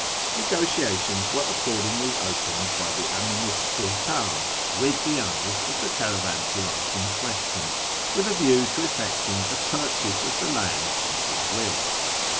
Xegotiatious were accordingly opened by the Aminu 's Sultdn with the owners of the caravansarays in question, with a view to effecting a purchase of the land and "goodwill."